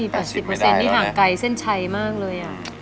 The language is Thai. ๘๐เปอร์เซ็นต์ที่ห่างไกลเส้นชัยมากเลย